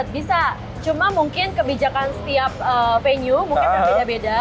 bisa cuma mungkin kebijakan setiap venue mungkin berbeda beda